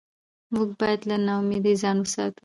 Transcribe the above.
موږ باید له ناامیدۍ ځان وساتو